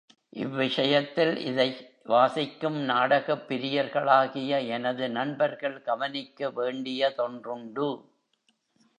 இவ்விஷயத்தில், இதை வாசிக்கும் நாடகப் பிரியர்களாகிய எனது நண்பர்கள் கவனிக்க வேண்டியதொன்றுண்டு.